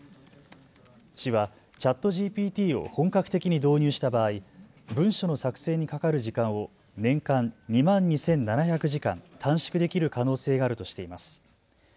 市はＣｈａｔＧＰＴを本格的に導入した場合、文書の作成にかかる時間を年間２万２７００時間短縮できる可能性があるとしています。